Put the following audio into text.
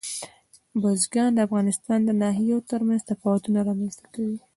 بزګان د افغانستان د ناحیو ترمنځ تفاوتونه رامنځته کوي.